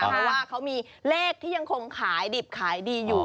เพราะว่าเขามีเลขที่ยังคงขายดิบขายดีอยู่